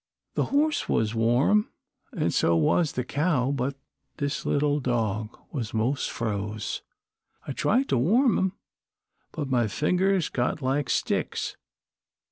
"The horse was warm an' so was the cow, but this little dog was mos' froze. I tried to warm him, but my fingers got like sticks.